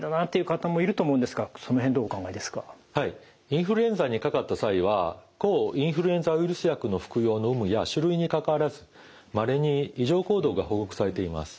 インフルエンザにかかった際は抗インフルエンザウイルス薬の服用の有無や種類にかかわらずまれに異常行動が報告されています。